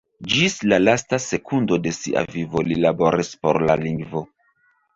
Ĝis la lasta sekundo de sia vivo li laboris por la lingvo.